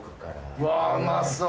うわうまそう。